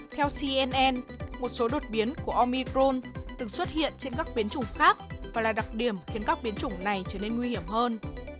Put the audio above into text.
theo cnn một số đột biến của omi prone từng xuất hiện trên các biến chủng khác và là đặc điểm khiến các biến chủng này trở nên nguy hiểm hơn